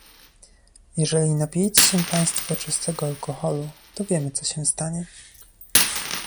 Jeżeli napijecie się państwo czystego alkoholu, to wiemy co się stanie